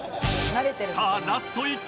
さあラスト１球！